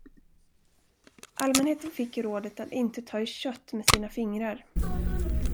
Allmänheten fick rådet att inte ta i kött med sina fingrar.